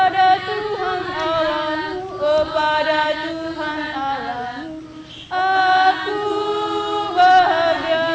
terima kasih beri terima kasih beri